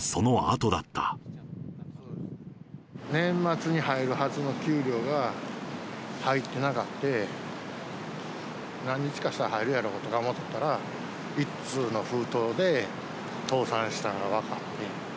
年末に入るはずの給料が入ってなくて、何日かしたら入るやろうとか思ってたら、一通の封筒で、倒産したことが分かって。